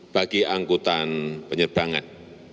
bagi angkutan penyerbangan